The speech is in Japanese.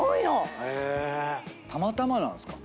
たまたまなんすか？